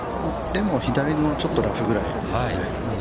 でも、左のちょっとラフぐらいですね。